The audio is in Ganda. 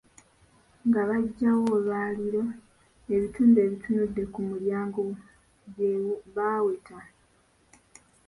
Nga baggyawo olwaliiro, ebitundu ebitunudde ku mulyango bye baweta.